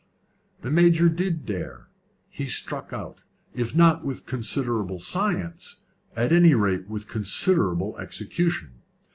The Major did dare. He struck out, if not with considerable science, at any rate with considerable execution.